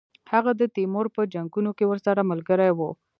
هغه د تیمور په جنګونو کې ورسره ملګری وو.